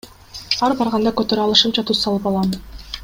Ар барганда көтөрө алышымча туз салып алам.